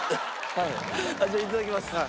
じゃあいただきます。